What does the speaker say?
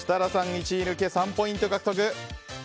１位抜け３ポイント獲得。